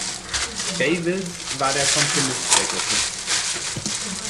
Davis war der Komponist der Gruppe.